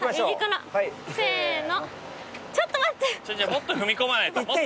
もっと踏み込まないと。